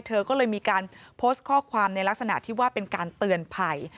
เธอก็เลยมีการโพสต์ข้อความในลักษณะที่ว่าเป็นการเตือนภัย